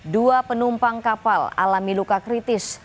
dua penumpang kapal alami luka kritis